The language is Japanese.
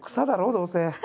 どうせ。